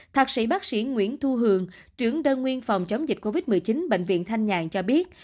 thạc sĩ bác sĩ nguyễn thu hường trưởng đơn nguyên phòng chống dịch covid một mươi chín bệnh viện thanh nhàn cho biết